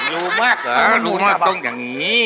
รู้มากเหรอรู้มันต้องอย่างนี้